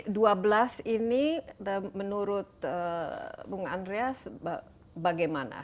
jadi dua belas ini menurut bung andreas bagaimana